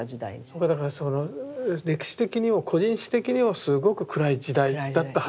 だからその歴史的にも個人史的にもすごく暗い時代だったはずなのに。